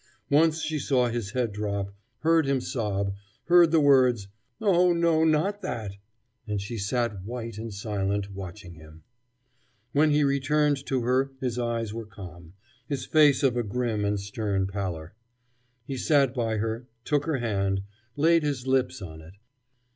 Once she saw his head drop, heard him sob, heard the words: "Oh, no, not that"; and she sat, white and silent, watching him. When he returned to her his eyes were calm, his face of a grim and stern pallor. He sat by her, took her hand, laid his lips on it.